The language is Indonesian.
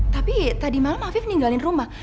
tapi tadi malam afif meninggalin rumah